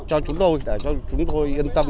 cho chúng tôi để chúng tôi yên tâm